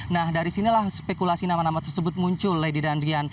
nah dari sinilah spekulasi nama nama tersebut muncul lady dan rian